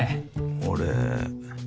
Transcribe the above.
俺。